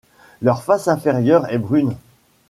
Leur face inférieure est brune.